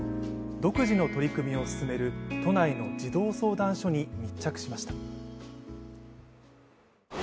独自の取り組みを進める都内の児童相談所に密着しました。